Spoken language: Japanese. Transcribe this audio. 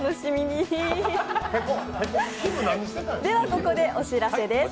ここでお知らせです。